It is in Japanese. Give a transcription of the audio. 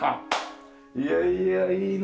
いやいやいいな。